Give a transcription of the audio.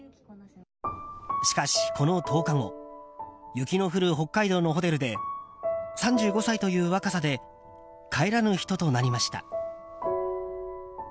しかし、この１０日後雪の降る北海道のホテルで３５歳という若さで帰らぬ人となりました。